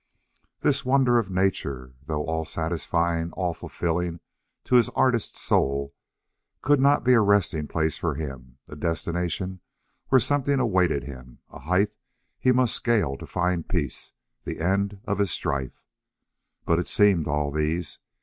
This wonder of nature, though all satisfying, all fulfilling to his artist's soul, could not be a resting place for him, a destination where something awaited him, a height he must scale to find peace, the end of his strife. But it seemed all these.